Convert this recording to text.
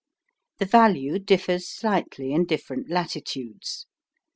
The value differs slightly in different latitudes.